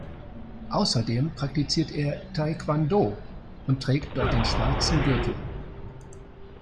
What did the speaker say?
Außerdem praktiziert er Taekwondo und trägt dort den schwarzen Gürtel.